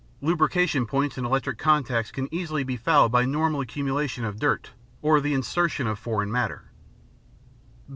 Lubrication points and electric contacts can easily be fouled by normal accumulations of dirt or the insertion of foreign matter.